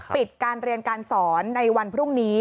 ปิดการเรียนการสอนในวันพรุ่งนี้